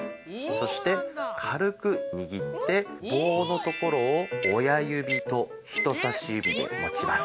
そして軽くにぎって棒のところを親指と人さし指で持ちます。